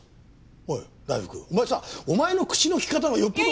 おい大福お前さお前の口の利き方のほうがよっぽど。